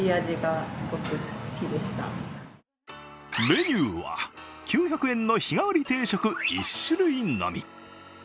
メニューは９００円の日替わり定食